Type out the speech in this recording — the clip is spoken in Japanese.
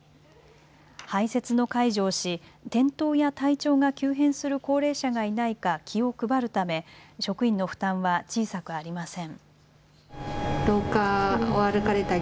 排せつの介助をし転倒や体調が急変する高齢者がいないか気を配るため職員の負担は小さくありません。